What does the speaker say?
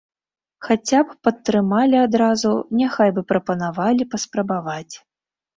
Хаця б падтрымалі адразу, няхай бы прапанавалі паспрабаваць.